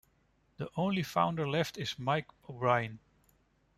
The only founder left is Mike O'Brien.